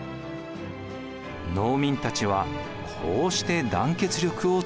農民たちはこうして団結力を強めたのです。